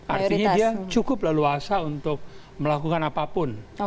artinya dia cukup leluasa untuk melakukan apapun